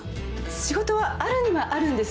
仕事はあるにはあるんですよ？